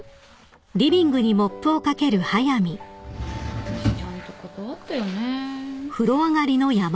私ちゃんと断ったよね？